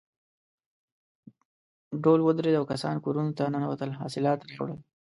ډول ودرېد او کسان کورونو ته ننوتل حاصلات راوړل.